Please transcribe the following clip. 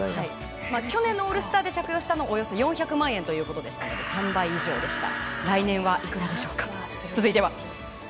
去年のオールスターで着用したものはおよそ４００万円でしたので３倍以上でした。